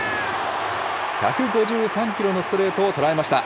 １５３キロのストレートを捉えました。